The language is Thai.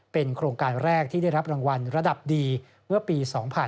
เป็นโครงการแรกที่ได้รับรางวัลระดับดีเมื่อปี๒๕๕๙